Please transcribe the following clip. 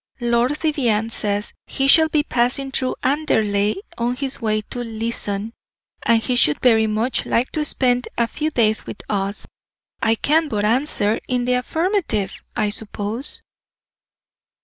Lord Vivianne says he shall be passing through Anderley on his way to Leeson, and he should very much like to spend a few days with us. I can but answer in the affirmative, I suppose."